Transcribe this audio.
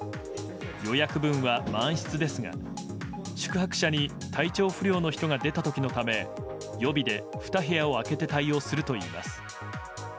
予約分は満室ですが宿泊者に体調不良の人が出た時のため予備で２部屋を空けて対応するといいます。